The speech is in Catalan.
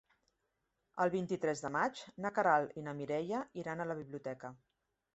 El vint-i-tres de maig na Queralt i na Mireia iran a la biblioteca.